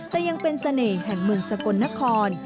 แต่ยังเป็นเสน่ห์แห่งเมืองสกลนคร